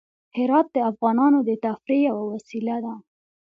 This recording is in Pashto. هرات د افغانانو د تفریح یوه وسیله ده.